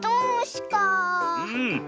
うん。